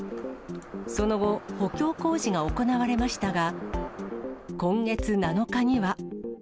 その後、補強工事が行われましたが、今月７日には。